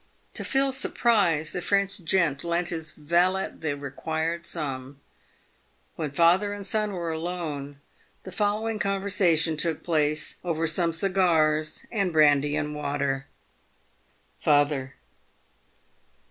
To Phil's surprise the Prench gent lent his valet the required sum. "When father and son were alone, the following conversation took place over some cigars and brandy and water : Father.